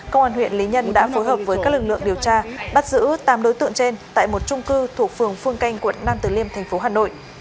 công an huyện lý nhân đã phối hợp với các lực lượng điều tra bắt giữ tám đối tượng trên tại một trung cư thuộc phường phương canh quận nam từ liêm thành phố hà nội